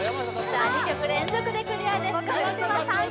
さあ２曲連続でクリアです